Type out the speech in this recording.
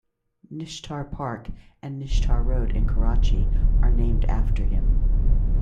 Nishtar Park and Nishtar Road in Karachi are named after him.